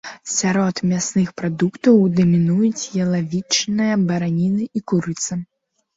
Сярод мясных прадуктаў дамінуюць ялавічына, бараніна і курыца.